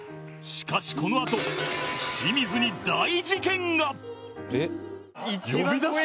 しかしこのあと清水に大事件が